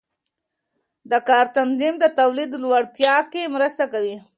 د کار تنظیم د تولید لوړتیا کې مرسته کوي.